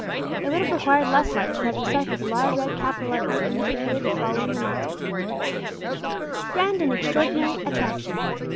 It would have required less light to have deciphered the large red capital letters in which appeared the following announcement: "GRAND AND EXTRAORDINARY ATTRACTION.